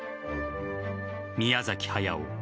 宮崎駿。